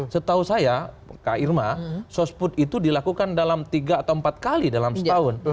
setahu saya kak irma sosput itu dilakukan dalam tiga atau empat kali dalam setahun